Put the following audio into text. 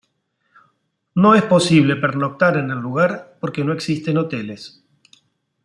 No es posible pernoctar en el lugar porque no existen hoteles.